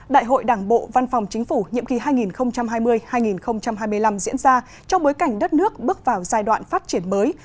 đại hội đảng bộ văn phòng chính phủ nhiệm kỳ hai nghìn hai mươi hai nghìn hai mươi năm diễn ra trong bối cảnh đất nước bước vào giai đoạn phát triển mới